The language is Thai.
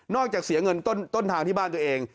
จากเสียเงินต้นทางที่บ้านตัวเอง